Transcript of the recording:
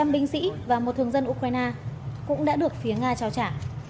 một trăm linh binh sĩ và một thường dân ukraine cũng đã được phía nga trao trả